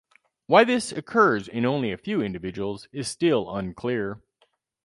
Why this occurs in only a few individuals is still unclear.